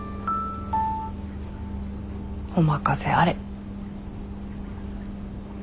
お任せあれ。